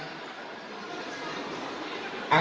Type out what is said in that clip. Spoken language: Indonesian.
dua bulan dua belas hari